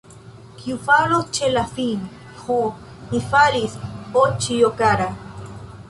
Kiu falos ĉe la fin, Ho, mi falis, oĉjo kara!